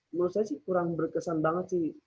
menurut saya sih kurang berkesan banget sih